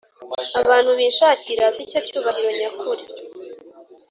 abantu bishakira si cyo cyubahiro nyakuri